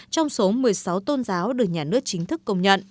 trong số một mươi sáu tôn giáo được nhà nước chính thức công nhận